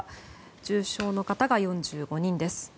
重症の方が４５人です。